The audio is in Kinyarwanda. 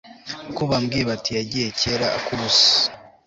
ko bambwiye bati yagiye kera ak'ubusa